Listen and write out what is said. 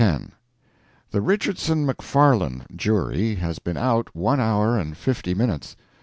The Richardson McFarland jury had been out one hour and fifty minutes.